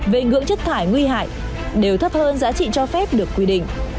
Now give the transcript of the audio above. về ngưỡng chất thải nguy hại đều thấp hơn giá trị cho phép được quy định